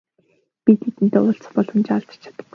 Би тэдэнтэй уулзах боломжоо алдаж чадахгүй.